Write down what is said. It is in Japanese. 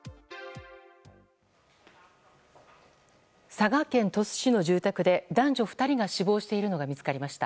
佐賀県鳥栖市の住宅で男女２人が死亡しているのが見つかりました。